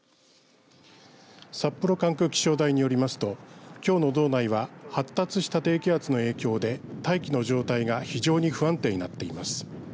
札幌管区気象台によりますときょうの道内は発達した低気圧の影響で大気の状態が非常に不安定になっています。